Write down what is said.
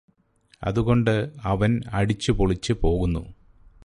അതുകൊണ്ട് അവന് അടിച്ചുപൊളിച്ച് പോകുന്നു